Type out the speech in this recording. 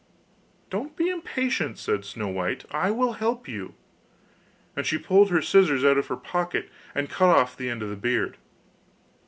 'Don't be impatient,' said Snow white, 'I will help you,' and she pulled her scissors out of her pocket, and cut off the end of the beard.